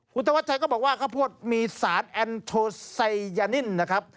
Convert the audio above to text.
คุณธวัชชัยก็บอกว่าข้าวโพดมีสารแอนโทไซยานินนะครับ